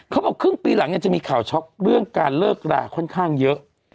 บอกครึ่งปีหลังเนี่ยจะมีข่าวช็อกเรื่องการเลิกราค่อนข้างเยอะ